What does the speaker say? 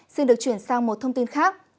xin được chuyển sang một thông tin khác